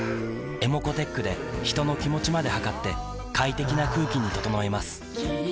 ｅｍｏｃｏーｔｅｃｈで人の気持ちまで測って快適な空気に整えます三菱電機